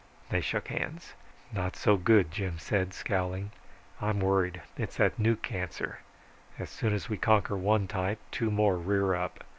They shook hands. "Not so good," Jim said, scowling. "I'm worried. It's that new cancer. As soon as we conquer one type two more rear up.